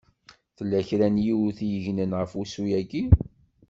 Tella kra n yiwet i yegnen ɣef wussu-yaki.